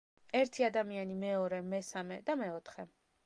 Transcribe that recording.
ერთი ადამიანი, მეორე, მესამე და მეოთხე.